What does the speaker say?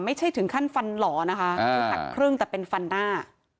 ไม่ใช่ถึงขั้นฟันหล่อนะคะคือหักครึ่งแต่เป็นฟันหน้า